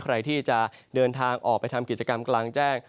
ใครที่จะเดินทางออกไปทำกิจกรรมกลางแจ้ง